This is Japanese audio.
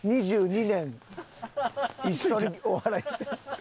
２２年一緒にお笑いして。